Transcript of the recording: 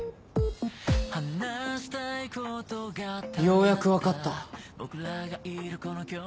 ようやく分かった。